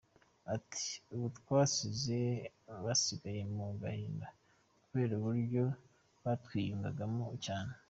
Ati “Ubu twasize basigaye mu gahinda kubera uburyo batwiyumvagamo cyane.